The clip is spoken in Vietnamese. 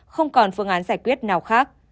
không còn phương án giải quyết nào khác